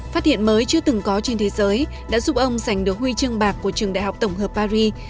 phát hiện mới chưa từng có trên thế giới đã giúp ông giành được huy chương bạc của trường đại học tổng hợp paris